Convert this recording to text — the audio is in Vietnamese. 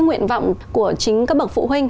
nguyện vọng của chính các bậc phụ huynh